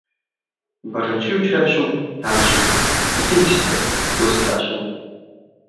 • Birinchi uchrashuv — tanishuv, ikkinchisi — do‘stlashuv.